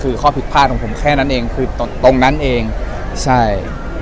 คือข้อผิดพลาดของผมแค่นั้นเองคือตรงนั้นเองใช่